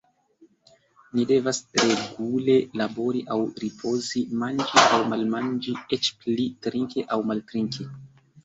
Ni devas regule labori aŭ ripozi, manĝi aŭ malmanĝi, eĉ pli: trinki aŭ maltrinki.